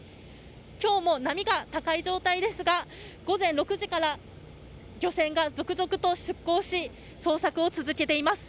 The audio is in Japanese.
今日も波が高い状態ですが午前６時から漁船が続々と出港し捜索を続けています。